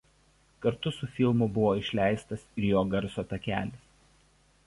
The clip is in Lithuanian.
Kartu su filmu buvo išleistas ir jo garso takelis.